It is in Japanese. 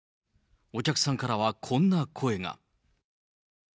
お客さんからはこんな声が。